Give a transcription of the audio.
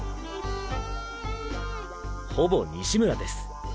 ほぼ西村です。